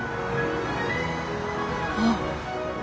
あっ。